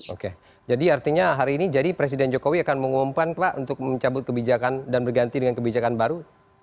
oke jadi artinya hari ini jadi presiden jokowi akan mengumpan pak untuk mencabut kebijakan dan berganti dengan kebijakan baru